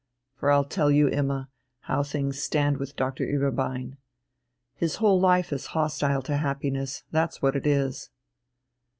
For I'll tell you, Imma, how things stand with Doctor Ueberbein. His whole life is hostile to happiness, that's what it is."